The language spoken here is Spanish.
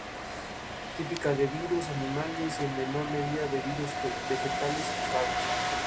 Típica de virus, animales y en menor medida de virus vegetales y fagos.